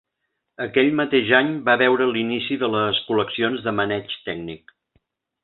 Aquell mateix any va veure l'inici de les col·leccions de maneig tècnic.